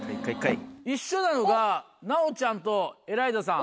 一緒なのが奈央ちゃんとエライザさん。